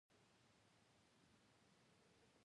د ټولنیزو بدلونونو مخکښان ځوانان دي.